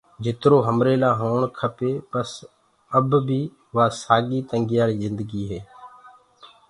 جِترو همري لآ هوڻ کپي پو بس اَڻي اب بي وا ساڳي تنگایاݪ جِندگي هي۔